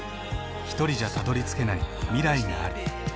ひとりじゃたどりつけない未来がある。